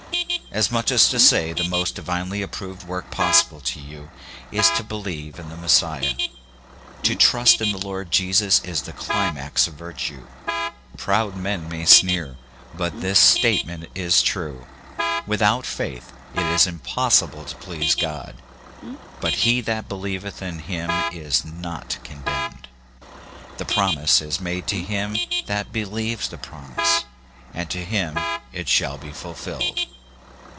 As much as to say — the most di vinely approved work possible to you, is to believe in the Messiah. To trust in the Lord Jesus is the climax of virtue. Proud men may sneer, but this statement is true. " Without faith it is impossible to please God ; but " he that believeth in him is not condemned. The promise is made to him that believes the promise, and to him it shall be ful filled.